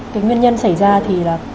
cái nguyên nhân xảy ra thì là